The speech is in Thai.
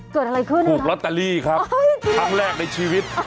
เกิดอะไรขึ้นอะน้องถูกรอตาลีครับครั้งแรกในชีวิต